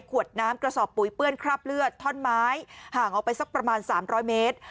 ขวดน้ำกระสอบปุ๋ยเปื้อนคราบเลือดท่อนไม้ห่างออกไปสักประมาณ๓๐๐เมตร